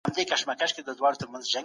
د خپل هېواد او ولس خدمت وکړئ.